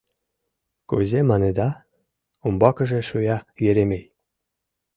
— Кузе маныда? — умбакыже шуя Еремей.